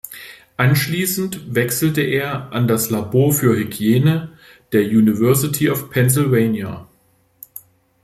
Anschließend wechselte er an das Labor für Hygiene der University of Pennsylvania.